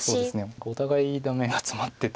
お互いダメがツマってて。